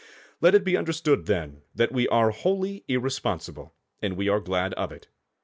Let it be understood, then, that we are wholly irresponsible, and we are glad of it.